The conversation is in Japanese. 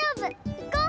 いこう！